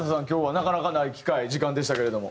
なかなかない機会時間でしたけれども。